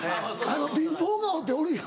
貧乏顔っておるよ